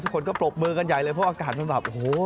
คนก็ปรบมือกันใหญ่เลยเพราะอากาศมันแบบโอ้โห